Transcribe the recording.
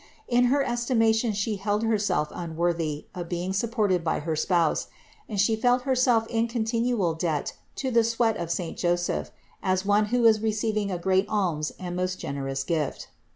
In Her estimation She held Herself unworthy of being 356 CITY OF GOD supported by her spouse, and She felt Herself in con tinual debt to the sweat of saint Joseph, as one who is receiving a great alms and most generous gift.